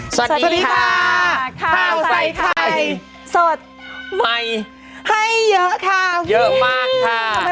สวัสดีค่ะข้าวใส่ไข่สดใหม่ให้เยอะค่ะเยอะมากค่ะ